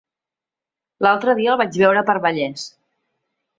L'altre dia el vaig veure per Vallés.